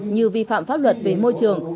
như vi phạm pháp luật về môi trường